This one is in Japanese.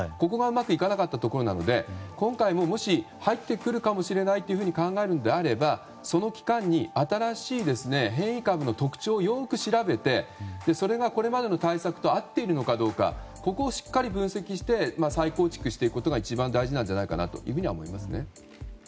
ここがうまくいかなかったところなので今回ももし入ってくるかもしれないと考えるのであれば、その期間に新しい変異株の特徴をよく調べてそれがこれまでの対策と合っているのかどうかをしっかり分析して再構築していくことが一番大事なんじゃないかと思いますね。